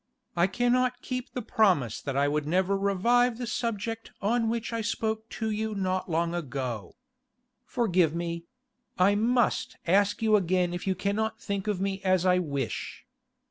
I cannot keep the promise that I would never revive the subject on which I spoke to you not long ago. Forgive me; I must ask you again if you cannot think of me as I wish?